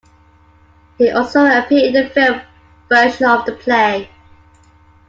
He also appeared in the film version of the play.